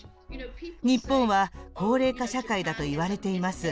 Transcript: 日本は、高齢化社会だと言われています。